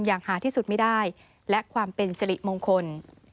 อย่างหาที่สุดไม่ได้และความเป็นสิริมงคล